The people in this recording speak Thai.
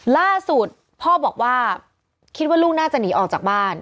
ล่าสุดพ่อบอกว่าคิดว่าลูกน่าจะหนีออกจากบ้าน